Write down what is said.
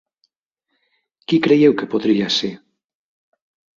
Qui creieu que podria ser?